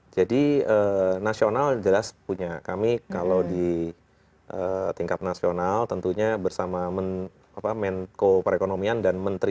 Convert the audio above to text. jadi nasional jelas punya kami kalau di tingkat nasional tentunya bersama menko perekonomian dan menteri